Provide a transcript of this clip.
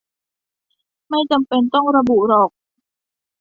ไม่จำเป็นต้องระบุหรอก